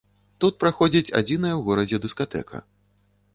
Тут праходзіць адзіная ў горадзе дыскатэка.